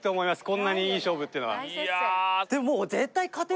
こんなにいい勝負っていうのはでも